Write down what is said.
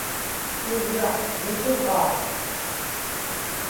kuvraq mitugaa